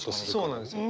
そうなんですよ。